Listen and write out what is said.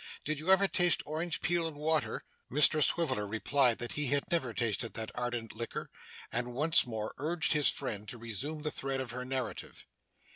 Did you ever taste orange peel and water?' Mr Swiveller replied that he had never tasted that ardent liquor; and once more urged his friend to resume the thread of her narrative.